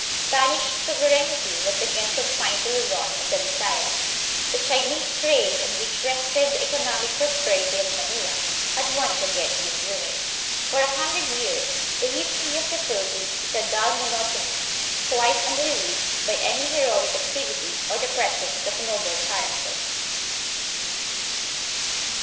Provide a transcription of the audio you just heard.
Spanish sovereignty was again confined to Luzon and the Bisayas. The Chinese trade, on which rested the economic prosperity of Manila, had once again been ruined. For a hundred years the history of the Philippines is a dull monotony, quite unrelieved by any heroic activity or the presence of noble character.